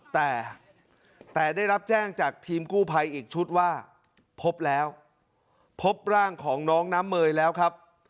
แต่แต่ได้รับแจ้งจากทีมกู้ภัยอีกชุดว่าพบแล้วพบร่างของน้องน้ำเมยแล้วครับ